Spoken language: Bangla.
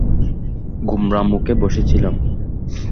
গোমরা মুখে বসে ছিলাম।